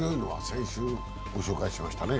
先週ご紹介しましたね。